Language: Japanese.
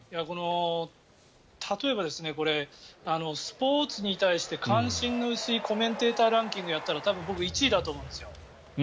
例えばスポーツに対して関心の薄いコメンテーターランキングをやったら多分、僕１位だと思うんですよ。